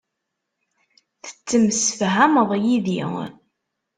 Tettemsefhameḍ yid-i.